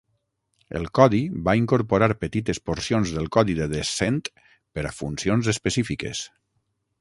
El codi va incorporar petites porcions del codi de "Descent" per a funcions específiques.